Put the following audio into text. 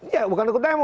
ya bukan ikut demo